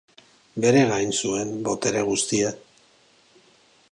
Bere gain zuen botere guztia.